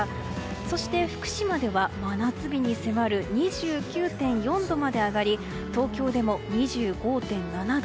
そして、福島では真夏日に迫る２９．４度まで上がり東京でも２５．７度。